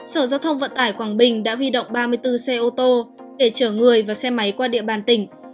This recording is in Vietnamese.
sở giao thông vận tải quảng bình đã huy động ba mươi bốn xe ô tô để chở người và xe máy qua địa bàn tỉnh